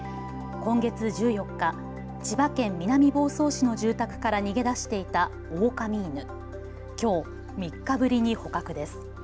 今月１４日、千葉県南房総市の住宅から逃げ出していたオオカミ犬、きょう３日ぶりに捕獲です。